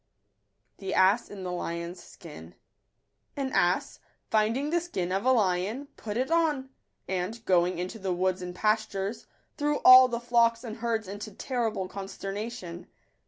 ©Jje in t | )t Eton's; jlfetn. N ass, finding the skin of a lion, put it on ; and, going into the woods and pastures, threw all the flocks and herds into ter rible consternation.